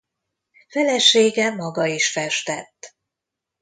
Felesége maga is festett.